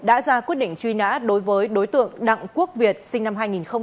đã ra quyết định truy nã đối với đối tượng đặng quốc việt sinh năm hai nghìn